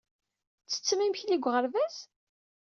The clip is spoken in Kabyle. Tettettem imekli deg uɣerbaz?